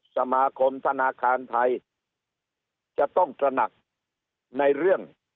สมาคมธนาคารไทยจะต้องตระหนักในเรื่อง